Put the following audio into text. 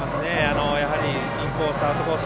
インコース、アウトコース